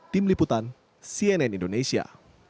tim liputan cnn indonesia